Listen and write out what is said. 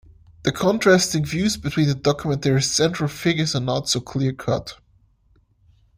The contrasting views between the documentary's central figures are not so clear cut.